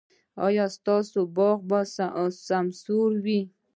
ایا ستاسو باغ به سمسور وي؟